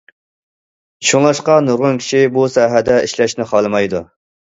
شۇڭلاشقا، نۇرغۇن كىشى بۇ ساھەدە ئىشلەشنى خالىمايدۇ.